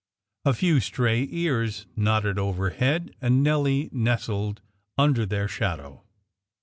A few stray ears nodded overhead, and Nelly nestled under their shadow.